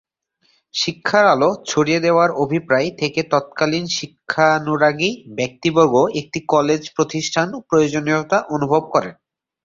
শিক্ষার আলো ছড়িয়ে দেয়ার অভিপ্রায় থেকে তৎকালীন শিক্ষানুরাগী ব্যক্তিবর্গ একটি কলেজ প্রতিষ্ঠার প্রয়োজনীয়তা অনুভব করেন।